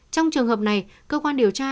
trong trường hợp này cơ quan điều tra